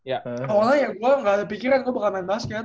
awalnya gue gak ada pikiran gue bakal main basket